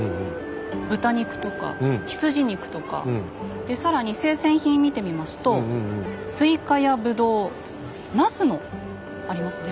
豚肉とか羊肉とかで更に生鮮品見てみますとスイカやブドウナスもありますね。